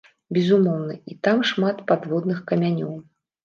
Безумоўна, і там шмат падводных камянёў.